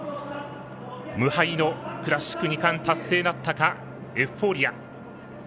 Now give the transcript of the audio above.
無敗のクラシック二冠達成なったかエフフォーリア。